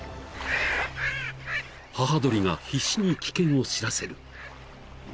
［母鳥が必死に危険を知らせる］